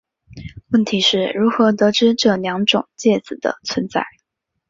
问题是如何得知这两种介子的存在。